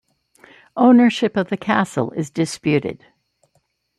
Ownership of the castle is disputed.